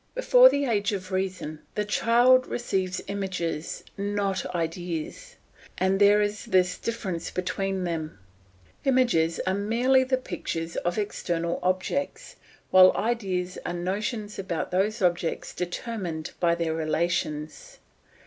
Before the age of reason the child receives images, not ideas; and there is this difference between them: images are merely the pictures of external objects, while ideas are notions about those objects determined by their relations.